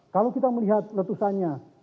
kalau kita melihat letusannya